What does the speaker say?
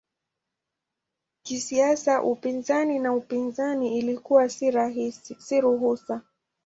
Kisiasa upinzani na upinzani ilikuwa si ruhusa.